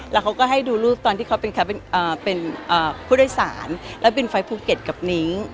แล้วเขาก็ให้ดูรูปตอนที่เขาเป็นผู้โดยสารแล้วบินไปภูเก็ตกับนิ้ง